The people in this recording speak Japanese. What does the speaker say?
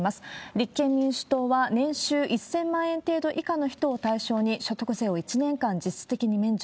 立憲民主党は年収１０００万円程度以下の人を対象に、所得税を１年間実質的に免除。